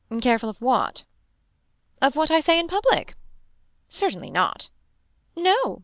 Careful of what. Of what I say in public. Certainly not. No.